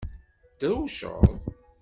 Tedrewceḍ?